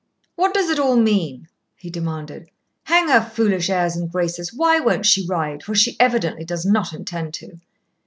"What does it all mean?" he demanded. "Hang her foolish airs and graces._ Why_ won't she ride, for she evidently does not intend to."